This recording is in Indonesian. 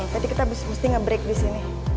jadi kita mesti nge break di sini